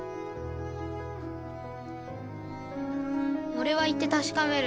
俺は行って確かめる。